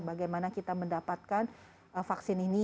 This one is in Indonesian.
bagaimana kita mendapatkan vaksin ini